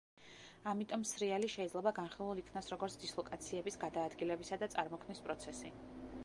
ამიტომ სრიალი შეიძლება განხილულ იქნას როგორც დისლოკაციების გადაადგილებისა და წარმოქმნის პროცესი.